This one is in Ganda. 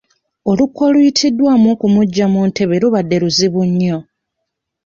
Olukwe oluyitiddwamu okumuggya mu ntebe lubadde luzibu nnyo.